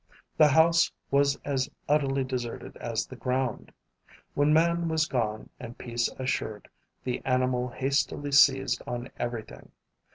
The house was as utterly deserted as the ground. When man was gone and peace assured, the animal hastily seized on everything.